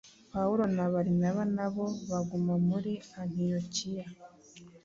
Pawulo na Barinaba na bo baguma mu Antiyokiya,